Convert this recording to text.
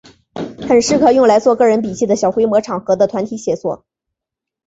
很适合用来做个人笔记和小规模场合的团体写作。